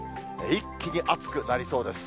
一気に暑くなりそうです。